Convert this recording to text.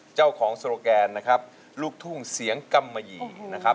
เจ้าของโสโลแกนนะครับลูกทุ่งเสียงกำมะหยีนะครับ